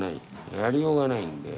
やりようがないんだよ。